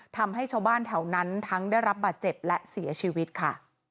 ทำให้ชาวบ้านแถวนั้นทั้งได้รับบาดเจ็บและเสียชีวิตค่ะ